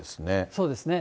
そうですね。